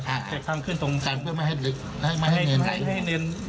อ่าทางขึ้นตรงกันเพื่อไม่ให้ลึกไม่ให้ไม่ให้เน้นไม่ให้เน้น